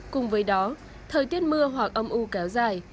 cùng với đó thời tiết mưa hoặc âm u kéo dài